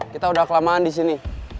kita udah kelamaan disini